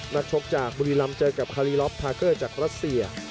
ชกจากบุรีรำเจอกับคารีล็อปทาเกอร์จากรัสเซีย